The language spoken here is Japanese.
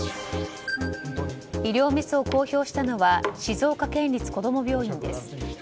医療ミスを公表したのは静岡県立こども病院です。